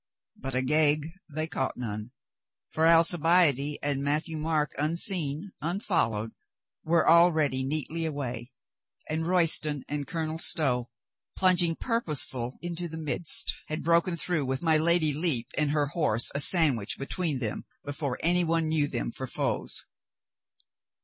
But Agag they caught none, for Alcibiade and Matthieu Marc, unseen, unfollowed, were already LADY LEPE DISCARDS TETTICOATS 49 neatly away, and Royston and Colonel Stow, plung ing purposeful into the midst, had broken through, with my Lady Lepe and her horse a sandwich be tween them, before any one knew them for foes.